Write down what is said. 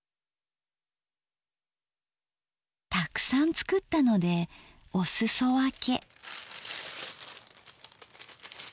たくさん作ったのでおすそ分け。